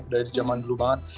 dari zaman dulu banget